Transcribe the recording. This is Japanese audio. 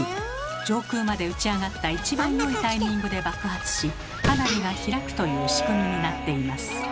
上空まで打ち上がった一番良いタイミングで爆発し花火が開くという仕組みになっています。